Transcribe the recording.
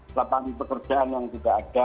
latar belakang pekerjaan yang tidak ada